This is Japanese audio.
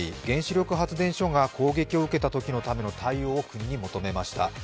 原子力発電所が攻撃を受けたときの対応を国に求めました。